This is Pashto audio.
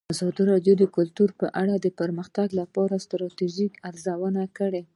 ازادي راډیو د کلتور په اړه د پرمختګ لپاره د ستراتیژۍ ارزونه کړې.